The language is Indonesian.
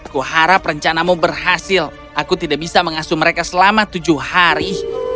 kuharap rencanamu berhasil aku tidak bisa mengasuh mereka selama tujuh hari